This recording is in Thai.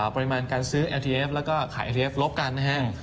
ปริมาณการซื้อแอร์ทีเอฟแล้วก็ขายเอฟลบกันนะฮะ